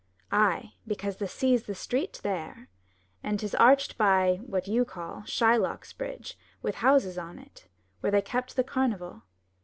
Ay, because the sea's the street there; and 'tis arched by — what you call — Shylock's bridge with houses on it, where they kept the carnival.